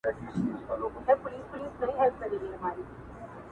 له منځه ولاړ شې